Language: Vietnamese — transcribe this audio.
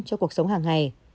cho cuộc sống hàng ngày